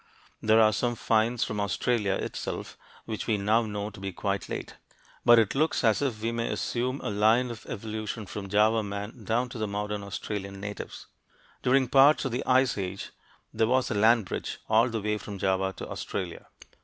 There are some finds from Australia itself which we now know to be quite late. But it looks as if we may assume a line of evolution from Java man down to the modern Australian natives. During parts of the Ice Age there was a land bridge all the way from Java to Australia.